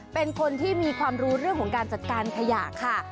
เป็นคนที่มีความรู้เรื่องของการจัดการขยะค่ะ